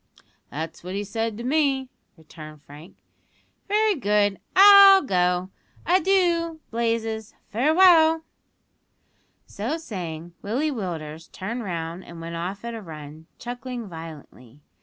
"That's what he said to me," returned Frank. "Very good; I'll go. Adoo, Blazes farewell." So saying, Willie Willders turned round and went off at a run, chuckling violently.